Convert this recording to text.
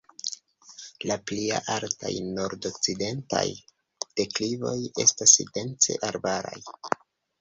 La pli altaj nordokcidentaj deklivoj estas dense arbaraj.